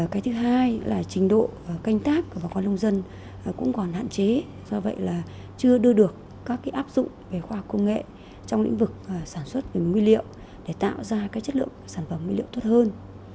cái thứ hai là trình độ canh tác của bà con nông dân cũng còn hạn chế do vậy là chưa đưa được các áp dụng về khoa học công nghệ trong lĩnh vực sản xuất về nguyên liệu để tạo ra cái chất lượng sản phẩm nguyên liệu tốt hơn